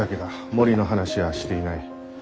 森の話はしていない。